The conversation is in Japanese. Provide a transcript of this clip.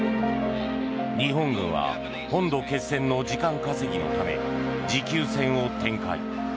日本軍は本土決戦の時間稼ぎのため持久戦を展開。